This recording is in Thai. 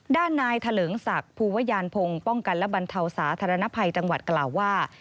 ด้านนายเถลิงศักดิ์ภูวยานพงศ์ป้องกันและบรรเทาสาธารณภัยจังหวัดกล่าวว่า